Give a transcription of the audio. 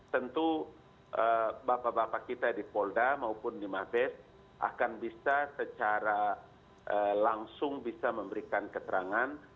tentu bapak bapak kita di polda maupun di mabes akan bisa secara langsung bisa memberikan keterangan